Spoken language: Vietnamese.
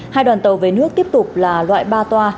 hai đoàn tàu về nước tiếp tục là loại ba toa